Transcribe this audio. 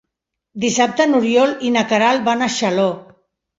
Dissabte n'Oriol i na Queralt van a Xaló.